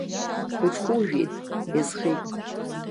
Уҽхәужәеит, иазхеит.